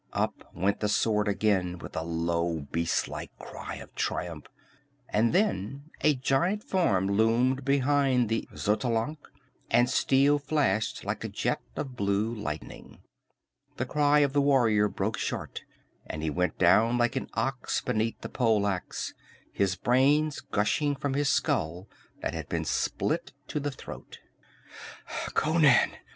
Up went the sword again, with a low, beast like cry of triumph and then a giant form loomed behind the Xotalanc and steel flashed like a jet of blue lightning. The cry of the warrior broke short and he went down like an ox beneath the pole ax, his brains gushing from his skull that had been split to the throat. "Conan!"